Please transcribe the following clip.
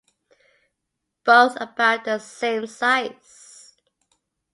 Both are about the same size.